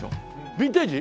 ビンテージ？